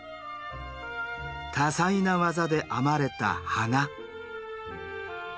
多彩な技で編まれた花。